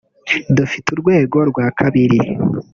Dufite urwego rwa kabiri